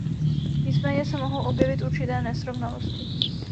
Nicméně se mohou objevit určité nesrovnalosti.